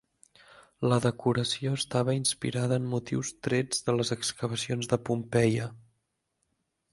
La decoració estava inspirada en motius trets de les excavacions de Pompeia.